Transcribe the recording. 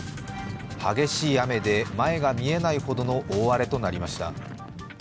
激しい雨で前が見えないほどの大荒れとなりました。